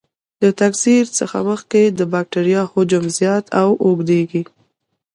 د تکثر څخه مخکې د بکټریا حجم زیات او اوږدیږي.